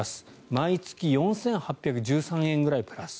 毎月４８１３円くらいプラス。